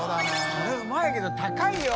海うまいけど高いよ。